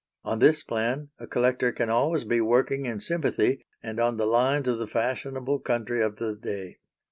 On this plan a collector can always be working in sympathy and on the lines of the fashionable country of the day.